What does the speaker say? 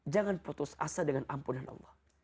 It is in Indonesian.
jangan putus asa dengan ampunan allah